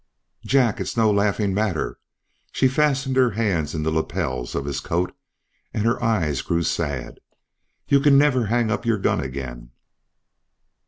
"Jack, it's no laughing matter." She fastened her hands in the lapels of his coat and her eyes grew sad. "You can never hang up your gun again."